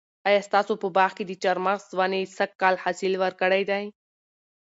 آیا ستاسو په باغ کې د چهارمغز ونې سږ کال حاصل ورکړی دی؟